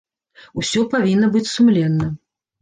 Усё павінна быць сумленна.